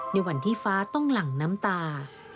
ในวันที่ฟ้าต้องหลั่งน้ำตา